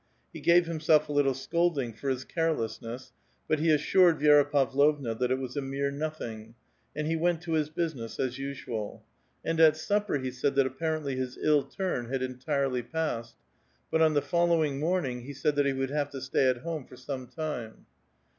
He gave himself a little scolding for his carelessness, but l)e assured Vidra Pav lovtia that it was a mere nothing, and he went to his busi JI^Bs as nsual ; and at supper he said that apparently his ill ^fU had entirely passed, but on the following morning he ??.^^ that he would have to stay at home for some time.